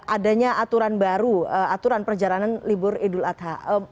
adanya aturan baru aturan perjalanan libur idul adha